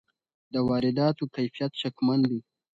د وارداتو کیفیت شکمن دی.